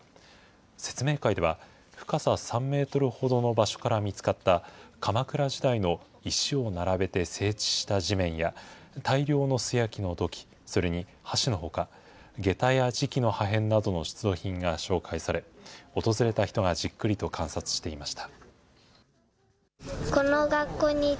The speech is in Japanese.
説明会では、深さ３メートルほどの場所から見つかった鎌倉時代の石を並べて整地した地面や、大量の素焼きの土器、それに箸のほか、げたや磁器の破片などの出土品が紹介され、訪れた人がじっくりと観察していました。